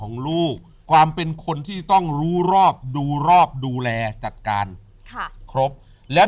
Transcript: ของลูกความเป็นคนที่ต้องรู้รอบดูรอบดูแลจัดการค่ะครบแล้ว